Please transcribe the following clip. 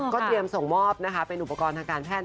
เตรียมส่งมอบนะคะเป็นอุปกรณ์ทางการแพทย